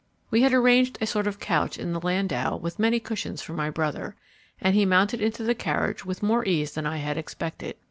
We had arranged a sort of couch in the landau with many cushions for my brother, and he mounted into the carriage with more ease than I had expected.